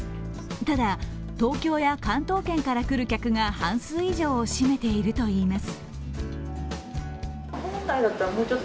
ただ、東京や関東圏から来る客が半数以上を占めているといいます。